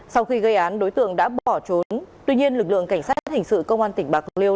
sau khi gây án đối tượng đã bỏ trốn tuy nhiên lực lượng cảnh sát hình sự công an tỉnh bạc liêu